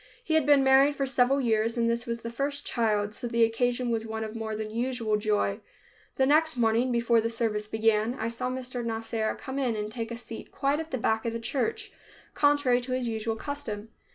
He had been married for several years and this was the first child, so the occasion was one of more than usual joy. The next morning, before the service began, I saw Mr. Nasser come in and take a seat quite at the back of the church, contrary to his usual custom.